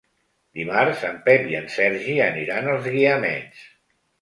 Dimarts en Pep i en Sergi aniran als Guiamets.